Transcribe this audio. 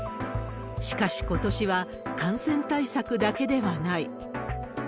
しかしことしは感染対策だけではない。